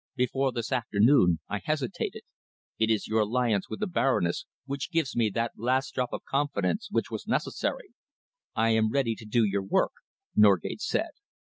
Before this afternoon I hesitated. It is your alliance with the Baroness which gives me that last drop of confidence which was necessary." "I am ready to do your work," Norgate said.